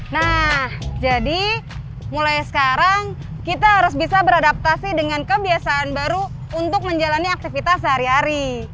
nah jadi mulai sekarang kita harus bisa beradaptasi dengan kebiasaan baru untuk menjalani aktivitas sehari hari